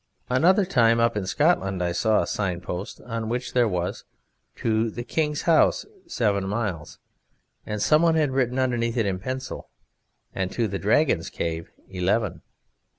Another time up in Scotland I saw a signpost on which there was, 'To the King's House seven miles.' And some one had written underneath in pencil: 'And to the Dragon's Cave eleven.'